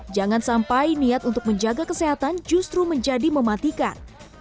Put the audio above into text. jangan sampai niat untuk menjaga kesehatan justru menjadi mematikan